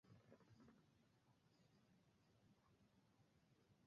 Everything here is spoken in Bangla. দক্ষিণ-পশ্চিমে ফ্যান লিয়া।